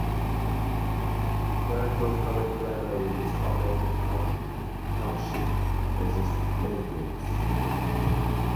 Galeton Public Library is open to Pike Township residents.